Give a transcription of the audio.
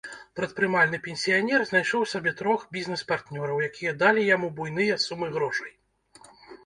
Прадпрымальны пенсіянер знайшоў сабе трох бізнэс-партнёраў, якія далі яму буйныя сумы грошай.